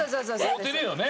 合うてるよね。